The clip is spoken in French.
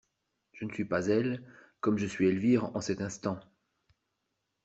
Je ne suis pas elle, comme je suis Elvire en cet instant!